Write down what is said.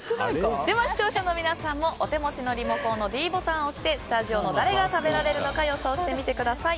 では視聴者の皆さんもお手持ちのリモコンのｄボタンを押してスタジオの誰が食べられるのか予想してみてください。